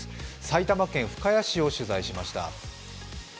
埼玉県深谷市を取材しました。